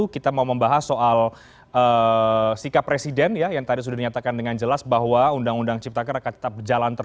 stafsus presiden bidang hukum